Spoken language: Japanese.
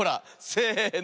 せの。